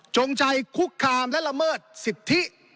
จงชัยคุกคามและละเมิดสิทธิ